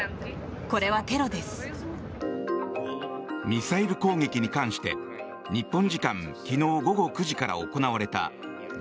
ミサイル攻撃に関して日本時間昨日午後９時から行われたＧ７・